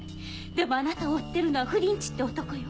でもあなたを追ってるのはフリンチって男よ。